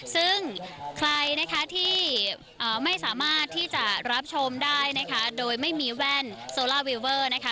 ซึ่งใครนะคะที่ไม่สามารถที่จะรับชมได้นะคะโดยไม่มีแว่นโซล่าวิเวอร์นะคะ